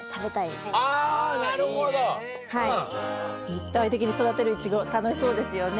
立体的に育てるイチゴ楽しそうですよね。